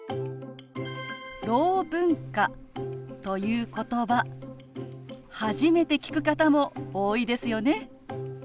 「ろう文化」ということば初めて聞く方も多いですよね。